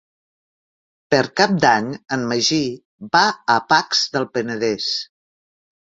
Per Cap d'Any en Magí va a Pacs del Penedès.